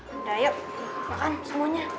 udah yuk makan semuanya